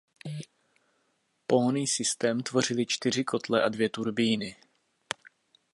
Pohonný systém tvořily čtyři kotle a dvě turbíny.